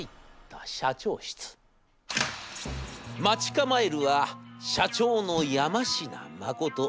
待ち構えるは社長の山科誠。